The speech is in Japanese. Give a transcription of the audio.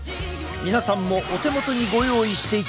皆さんもお手元にご用意していただき